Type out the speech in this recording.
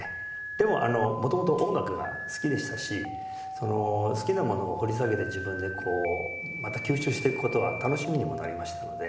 でも元々音楽が好きでしたし好きなものを掘り下げて自分でまた吸収していく事は楽しみにもなりましたので。